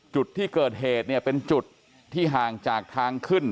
จุดที่เกิดเหตุเนี่ยเป็นจุดที่ห่างจากทางขึ้น